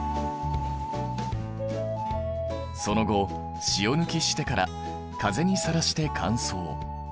その後塩抜きしてから風にさらして乾燥。